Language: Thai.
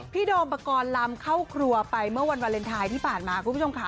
โดมปกรณ์ลำเข้าครัวไปเมื่อวันวาเลนไทยที่ผ่านมาคุณผู้ชมค่ะ